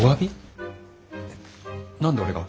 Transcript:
何で俺が。